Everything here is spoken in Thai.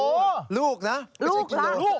โอ้โหลูกนะไม่ใช่กินนะลูก